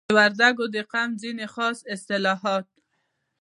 د وردګو د قوم ځینی خاص اصتلاحات